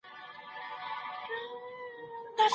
که امکانات وي نو کار به اسانه سي.